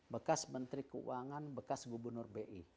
bekas menteri keuangan bekas gubernur bi